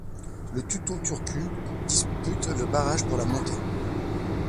Le TuTo Turku dispute le barrage pour la montée.